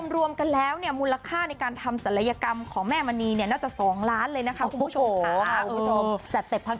รวมกันแล้วเนี่ยมูลค่าในการทำศัลยกรรมของแม่มณีเนี่ยน่าจะ๒ล้านเลยนะคะคุณผู้ชมค่ะ